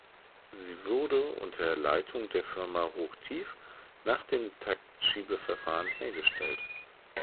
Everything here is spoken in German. Sie wurde unter Leitung der Firma Hochtief nach dem Taktschiebeverfahren hergestellt.